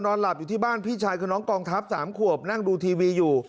หลับอยู่ที่บ้านพี่ชายคือน้องกองทัพ๓ขวบนั่งดูทีวีอยู่